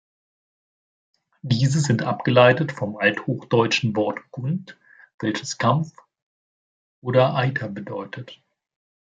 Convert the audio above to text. Diese sind abgeleitet vom althochdeutschen Wort "gund", welches Kampf oder Eiter bedeutet.